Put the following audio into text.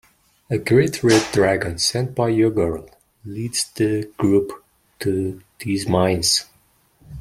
A great red dragon, sent by Ygorl, leads the group to these mines.